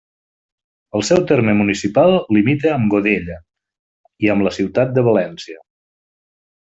El seu terme municipal limita amb Godella i amb la ciutat de València.